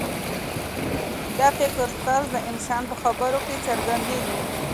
د فکر طرز د انسان په خبرو کې څرګندېږي.